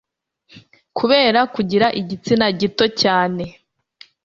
kubera kugira igitsina gito cyane